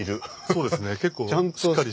そうですね結構しっかり。